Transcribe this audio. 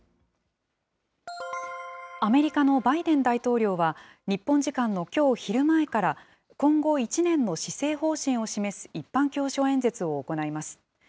アメリカのバイデン大統領は、日本時間のきょう昼前から、今後１年の施政方針を示す一般教書演説を行います。